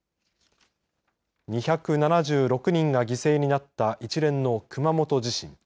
２７６人が犠牲になった一連の熊本地震。